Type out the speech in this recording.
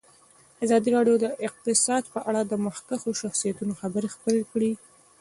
ازادي راډیو د اقتصاد په اړه د مخکښو شخصیتونو خبرې خپرې کړي.